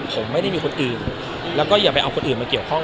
ผมไม่ได้มีคนอื่นแล้วก็อย่าไปเอาคนอื่นมาเกี่ยวข้อง